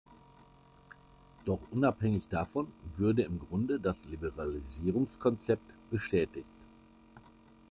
Doch unabhängig davon würde im Grunde das Liberalisierungskonzept bestätigt.